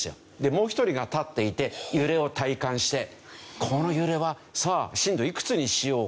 もう１人が立っていて揺れを体感して「この揺れはさあ震度いくつにしようか？」